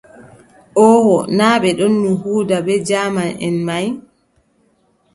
Ooho, naa ɓe ɗonno huuda bee jaamanʼen may.